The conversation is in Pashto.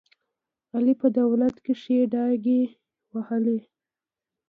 علي په دولت کې ښې ډاکې ووهلې.